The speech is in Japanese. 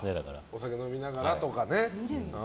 お酒飲みながらとかね。